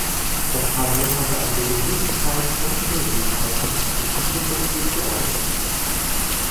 Das Parlament hatte also genug Zeit und Möglichkeiten, sich zu diesem Dossier zu äußern!